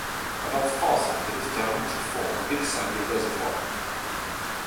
Above Farson, it is dammed to form the Big Sandy Reservoir.